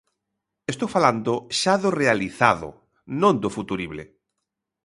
Estou falando xa do realizado, non do futurible.